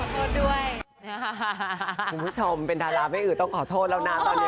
คุณผู้ชมเป็นดาราไม่อื้อต้องขอโทษแล้วนะตอนนี้